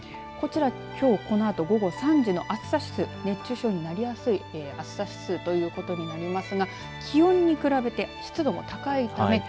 きょうこのあと午後３時の暑さ指数、熱中症になりやすい暑さ指数ということになりますが気温に比べて湿度が高いため。